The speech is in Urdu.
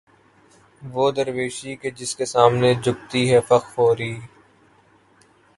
وہ درویشی کہ جس کے سامنے جھکتی ہے فغفوری